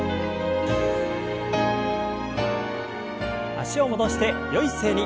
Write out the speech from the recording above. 脚を戻してよい姿勢に。